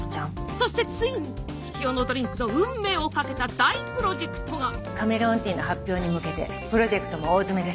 そしてついに月夜野ドリンクの運命を懸けた大プロジェクトがカメレオンティーの発表に向けてプロジェクトも大詰めです。